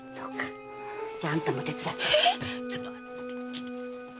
じゃああんたも手伝って。